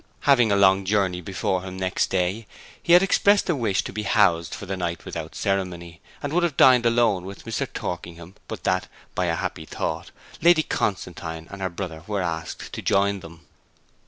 Having a long journey before him the next day he had expressed a wish to be housed for the night without ceremony, and would have dined alone with Mr. Torkingham but that, by a happy thought, Lady Constantine and her brother were asked to join them.